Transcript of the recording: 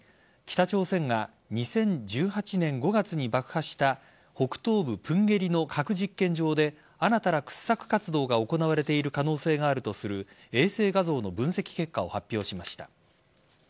北朝鮮が２０１８年５月に爆破した北東部・プンゲリの核実験場で新たな掘削活動が行われている可能性があるとする衛星画像の分析結果を発表しました。